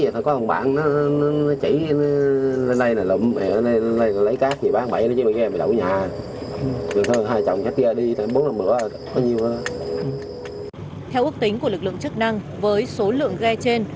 theo ước tính của lực lượng chức năng với số lượng ghe trên